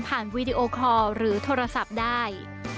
ผ่านวีดีโอคอลหรือโทรศัพท์ได้